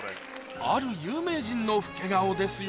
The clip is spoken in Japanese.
ある有名人の老け顔ですよ